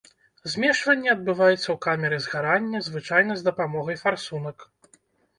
Змешванне адбываецца ў камеры згарання, звычайна з дапамогай фарсунак.